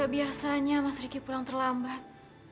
biasanya mas riki pulang terlambat